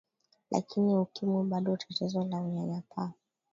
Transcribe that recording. kwa ukimwi bado tatizo la unyanyapa